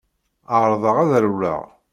Ԑerḍeɣ ad rewleɣ.